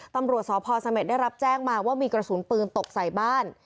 ตำรวจสพเสม็ดได้รับแจ้งมาว่ามีกระสุนปืนตกใส่บ้าน